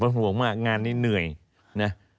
ห่วงมากงานนี้เหนื่อยนะ